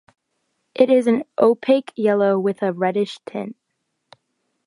It is an opaque yellow with a reddish tint.